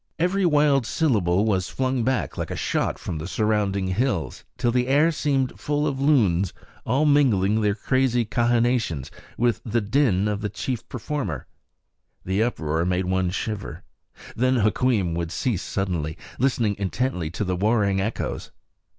Every wild syllable was flung back like a shot from the surrounding hills, till the air seemed full of loons, all mingling their crazy cachinnations with the din of the chief performer. The uproar made one shiver. Then Hukweem would cease suddenly, listening intently to the warring echoes.